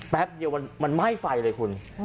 แป๊บเดียวมันไหม้ไฟเลยคุณ